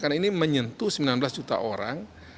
karena ini menyentuh sembilan belas juta orang